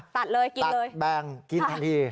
ตัดเลยกินเลยแบ่งกินทันที